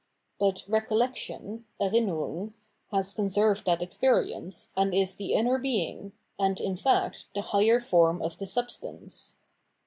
But re coUection {Er innerung) has conserved that experience, and is the inner being, and, in fact, the higher form of the substance.